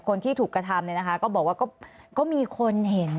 คนที่ถูกกระทำเนี่ยนะคะก็บอกว่าก็มีคนเห็น